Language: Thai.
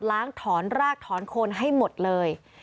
ถอนรากถอนโคนให้หมดเลย